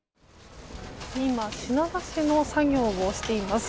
今、品出しの作業をしています。